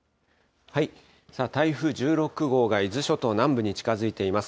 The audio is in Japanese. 台風１６号が伊豆諸島南部に近づいています。